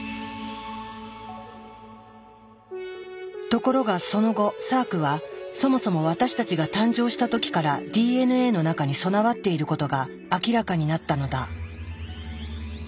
ところがその後サークはそもそも私たちが誕生した時からＤＮＡの中に備わっていることが明らかになったのだ。